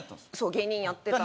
芸人やってたので。